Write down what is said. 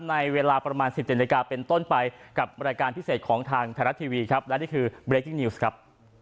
ในเวลาประมาณ๑๗นาฬิกาเป็นต้นไปกับรายการพิเศษของทางไทยรัฐทีวีครับและนี่คือเบรกกิ้งิวส์ครับ